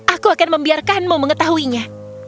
aku akan membiarkanmu mengetahuinya